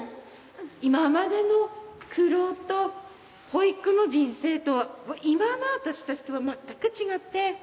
今までの苦労と保育の人生と今の私たちとは全く違って。